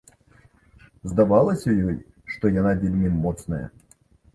Здавалася ёй, што яна вельмі моцная.